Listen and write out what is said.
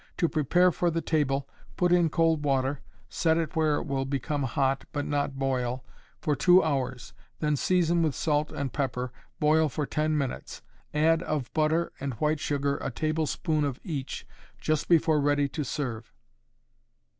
To prepare for the table, put in cold water, set it where it will become hot, but not boil, for two hours; then season with salt and pepper, boil for ten minutes; add of butter and white sugar a tablespoonful of each just before ready to serve.